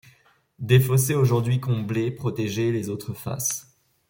Des fossés, aujourd'hui comblés, protégeaient les autres faces.